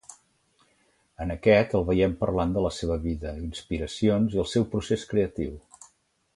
En aquest el veiem parlant de la seva vida, inspiracions i el seu procés creatiu.